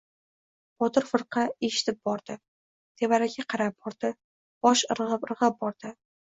Botir firqa eshitib bordi. Tevarakka qarab bordi. Bosh irg‘ab-irg‘ab bordi.